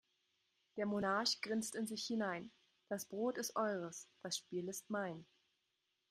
Der Monarch grinst in sich hinein: Das Brot ist eures, das Spiel ist mein.